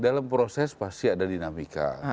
dalam proses pasti ada dinamika